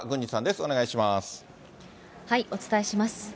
お伝えします。